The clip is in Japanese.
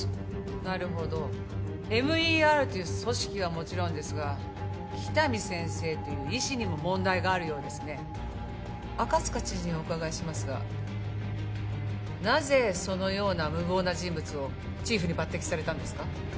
なるほどＭＥＲという組織はもちろんですが喜多見先生という医師にも問題があるようですね赤塚知事にお伺いしますがなぜそのような無謀な人物をチーフに抜擢されたんですか？